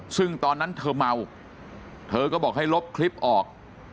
ซึ่งตอนนั้นเธอเมาเธอก็บอกให้ลบคลิปออก